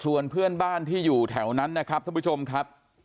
ส่วนเพื่อนบ้านที่อยู่แถวนั้นนะครับท่านผู้ชมครับ